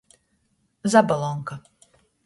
Zabalonka.